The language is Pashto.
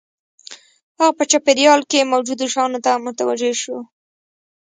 هغه په چاپېريال کې موجودو شیانو ته متوجه شو